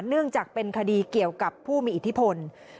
เนื่องจากเป็นคดีเกี่ยวกับผู้มีอิทธิพล